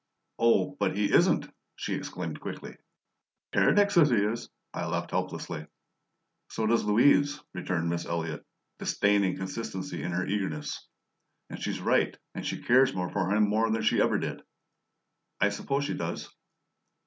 "Oh, but he isn't!" she exclaimed quickly. "Keredec says he is," I laughed helplessly. "So does Louise," returned Miss Elliott, disdaining consistency in her eagerness. "And she's right and she cares more for him than she ever did!" "I suppose she does."